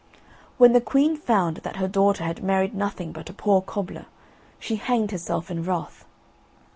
When the queen found that her daughter had married nothing but a poor cobbler, she hanged herself in wrath.